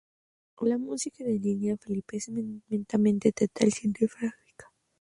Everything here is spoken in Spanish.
La música de Liliana Felipe es eminentemente teatral y cinematográfica.